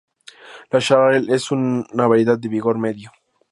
La xarel·lo es una variedad de vigor medio.